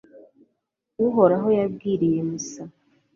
uhoraho yabwiriye musa